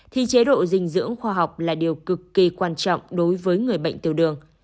thì chế độ dinh dưỡng khoa học là điều cực kỳ quan trọng đối với người bệnh tiêu đường